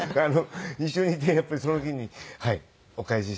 一緒にいてやっぱりその日にお返しして。